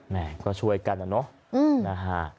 แหมก็ช่วยกันอะเนอะ